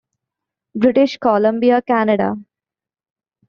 British Columbia, Canada.